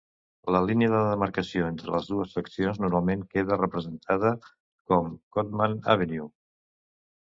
La línia de demarcació entre les dues seccions normalment queda representada com Cottman Avenue.